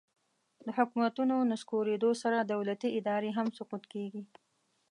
د حکومتونو نسکورېدو سره دولتي ادارې هم سقوط کیږي